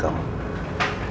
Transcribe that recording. biar gak telat